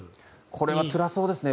これはつらそうですね。